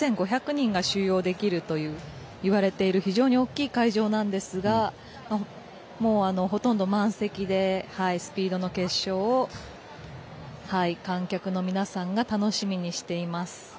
人が収容できるといわれている非常に大きい会場なんですがほとんど満席でスピードの決勝を観客の皆さんが楽しみにしています。